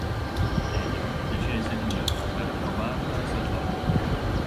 Daniel decide di seguirla per ritrovarla e salvarla.